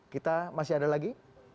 kita masih ada lagi